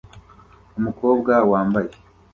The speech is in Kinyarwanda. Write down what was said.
Umukobwa wambaye